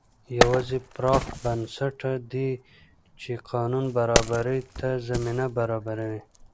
یوازې پراخ بنسټه دي چې قانون برابرۍ ته زمینه برابروي.